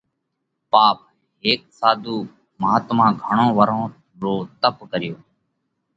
پاپ: هيڪ ساڌُو مهاتما گھڻون ورهون رو تپ ڪريو۔